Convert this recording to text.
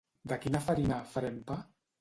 De quina farina farem pa?